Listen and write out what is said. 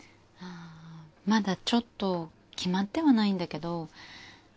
あぁまだちょっと決まってはないんだけど。